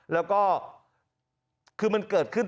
แล้วก็คือมันเกิดขึ้น